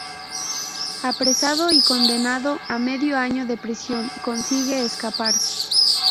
Apresado y condenado a medio año de prisión, consigue escapar.